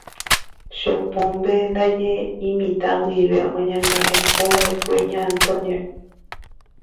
Chopombe ndaje imitã guive oñangarekova'ekue Ña Antonia-re.